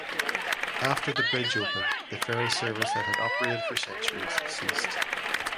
After the bridge opened the ferry service that had operated for centuries ceased.